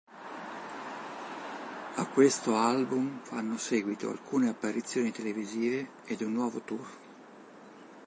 A questo album fanno seguito alcune apparizioni televisive ed un nuovo tour.